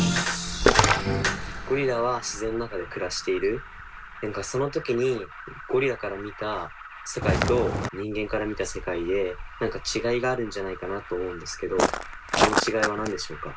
ゴリラは自然の中で暮らしている何かその時にゴリラから見た世界と人間から見た世界で何か違いがあるんじゃないかと思うんですけどその違いは何でしょうか？